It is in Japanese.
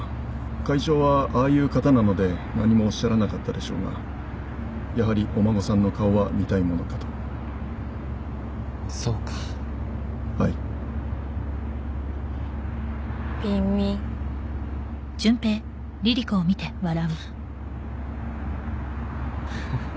会長はああいう方なので何もおっしゃらなかったでしょうがやはりお孫さんの顔は見たいものかとそうかはいウィンウィンふっははははっ